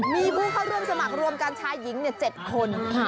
มีผู้เข้าร่วมสมัครรวมกันชายหญิง๗คน